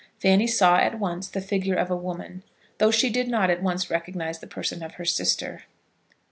Fanny saw at once the figure of a woman, though she did not at once recognise the person of her sister.